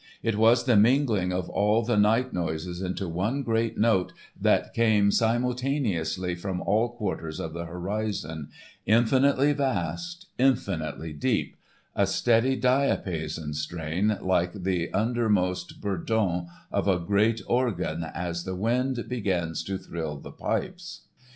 It was the mingling of all the night noises into one great note that came simultaneously from all quarters of the horizon, infinitely vast, infinitely deep,—a steady diapason strain like the undermost bourdon of a great organ as the wind begins to thrill the pipes.